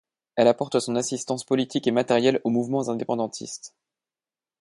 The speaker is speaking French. Elle apporte son assistance politique et matérielle aux mouvements indépendantistes.